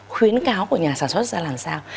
khuyến cáo của nhà sản xuất ra làm sao